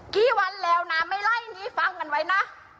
กี่วันแล้วนะไม่ไล่นี้ฟังกันไว้นะ